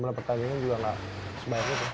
pemain pertandingan juga nggak sebaik itu